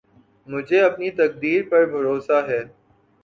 مجھے اپنی تقدیر پر بھروسہ ہے